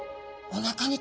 おなかに？